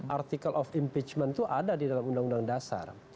artikel of impeachment itu ada di dalam undang undang dasar